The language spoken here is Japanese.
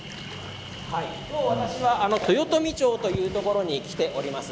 今日、私は豊富町というところに来ております。